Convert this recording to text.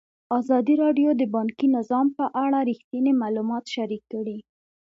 ازادي راډیو د بانکي نظام په اړه رښتیني معلومات شریک کړي.